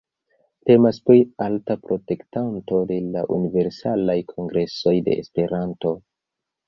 Temas pri alta protektanto de la Universalaj Kongresoj de Esperanto.